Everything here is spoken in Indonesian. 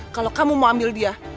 kalau kamu mau ambil dia